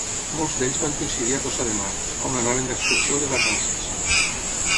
Molts d'ells van coincidir a Tossa de Mar, on anaven d'excursió o de vacances.